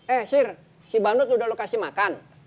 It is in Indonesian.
eh sir si bandut udah lu kasih makan